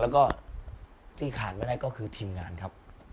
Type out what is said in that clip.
แล้วก็ที่ขาดไม่ได้ก็คือทีมงานครับ